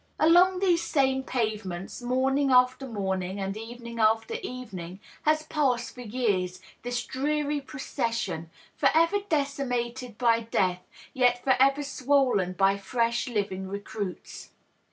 Along these same pavements, morning after morning and evening afl«r evening, has passed for years this dreary procession, forever decimated by dea^ yet forever swollen by fresh living recruits.